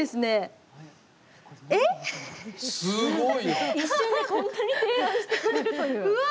すごい！一瞬でこんなに提案してくれるという。